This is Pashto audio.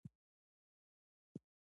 تخلیق د زړه او عقل ګډ کار دی.